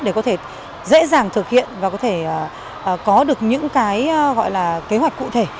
để có thể dễ dàng thực hiện và có thể có được những kế hoạch cụ thể